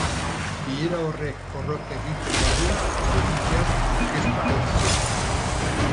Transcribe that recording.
Bilera horrek porrot egiten badu, helegiteak aurkeztuko ditu.